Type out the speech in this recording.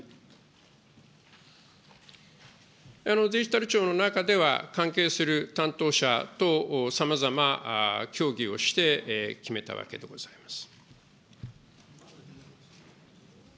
デジタル庁の中では、関係する担当者とさまざま協議をして決めたわけでございます。